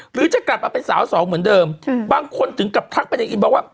หรือจะกลับมาเป็นสาวสองเหมือนเดิมบางคนถึงกับทักไปในอินบอกว่า